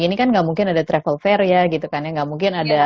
ini kan nggak mungkin ada travel fair ya gitu kan ya nggak mungkin ada